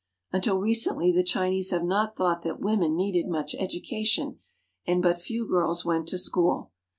Until recently the Chinese have not thought that women needed much education, and but few girls went to school.